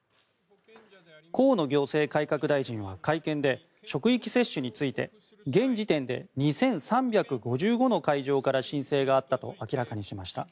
河野行政改革大臣は会見で職域接種について現時点で２３５５の会場から申請があったと明らかにしました。